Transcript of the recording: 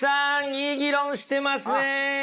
いい議論してますね！